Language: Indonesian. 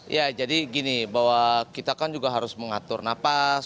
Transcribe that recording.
ya jadi gini bahwa kita kan juga harus mengatur nafas